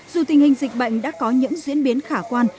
dù tình hình dịch bệnh đã có những diễn biến khả quan